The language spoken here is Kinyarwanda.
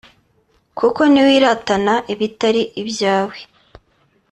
kuko niwiratana ibitari ibyawe